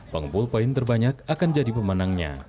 pengumpul poin terbanyak akan jadi pemenangnya